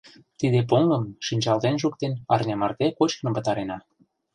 Тиде поҥгым, шинчалтен-шуктен, арня марте кочкын пытарена.